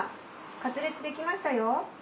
カツレツ出来ましたよ。